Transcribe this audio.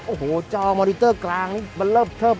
โอ้โหจอมอริเตอร์กลางมันเลิฟเทิบ